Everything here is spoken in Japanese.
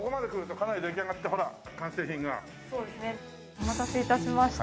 お待たせ致しました。